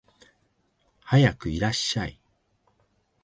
はやくいらっしゃい